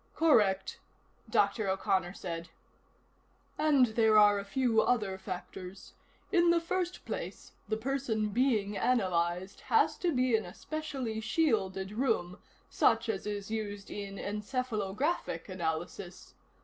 "Correct," Dr. O'Connor said. "And there are a few other factors. In the first place, the person being analyzed has to be in a specially shielded room, such as is used in encephalographic analysis.